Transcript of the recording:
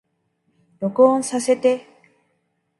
録音させて